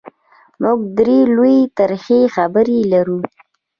موږ درې لویې ترخې خبرې لرو: